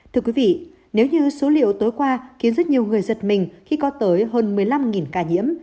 thưa quý vị nếu như số liệu tối qua khiến rất nhiều người giật mình khi có tới hơn một mươi năm ca nhiễm